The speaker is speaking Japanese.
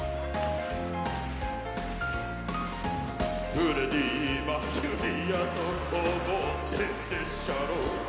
フレディ・マーキュリーだと思ってるでしょ。